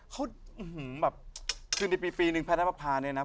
คือในปีหนึ่งแพทย์น้ำภาพาเนี่ยนะ